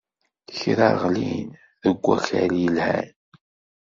Kra ɣlin deg wakal yelhan.